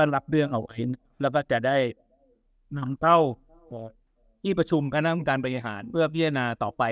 เราอาจจะได้นำเพราะที่ประชุมขนาดหนึ่งของการบริหารเพื่อพยันดาลต่อไป